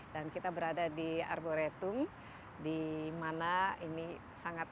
dan kita berada di arboretum di mana ini sangat